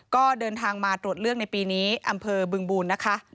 ก็เดินทางมาตรวจเลือกในปีนี้อำเภอบึงบูลนะคะ